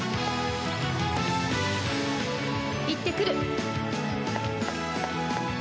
いってくる！